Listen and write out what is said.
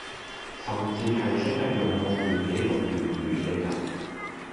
甚至係識得用漢字記錄粵語嘅人